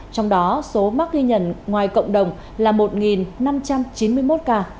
trong đó số mắc ghi nhận ngoài cộng đồng là một năm trăm chín mươi một ca